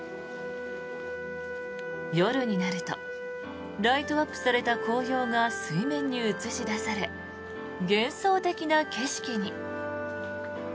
夜になるとライトアップされた紅葉が水面に映し出され幻想的な景色に。